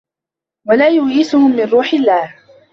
وَلَا يُؤْيِسْهُمْ مِنْ رُوحِ اللَّهِ